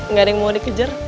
nggak ada yang mau dikejar